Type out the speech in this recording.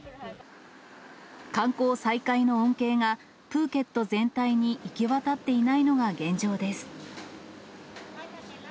観光再開の恩恵がプーケット全体に行き渡っていないのが現状です。